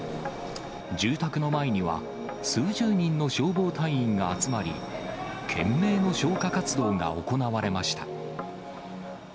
住宅の前には、数十人の消防隊員が集まり、懸命の消火活動が行われました。